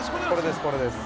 これです